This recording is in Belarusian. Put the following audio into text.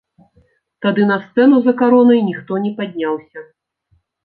Тады на сцэну за каронай ніхто не падняўся.